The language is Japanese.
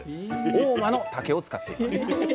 合馬の竹を使っています